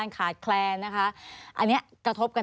สวัสดีครับ